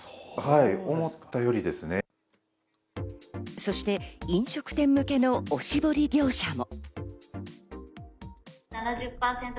そして飲食店向けのおしぼり業者も。